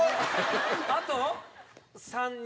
あと３人？